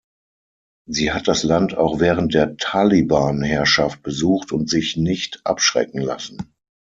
Sie hat das Land auch während der Taliban-Herrschaft besucht und sich nicht abschrecken lassen.